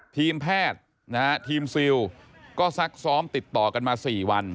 ทีมแพทย์นะฮะทีมซิลก็ซักซ้อมติดต่อกันมา๔วัน